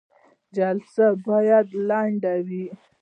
جلسې باید لنډې وي